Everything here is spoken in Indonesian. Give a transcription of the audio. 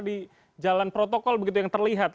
jadi jalan protokol begitu yang terlihat